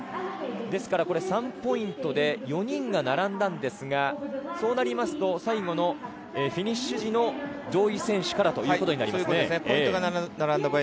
ですから３ポイントで４人が並んだんですが、そうなりますと最後のフィニッシュ時の上位選手からということになります。